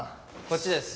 こっちです。